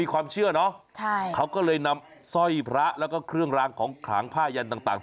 เขาก็เลยนำสร้อยพระแล้วก็เครื่องรางของขางผ้ายันต่าง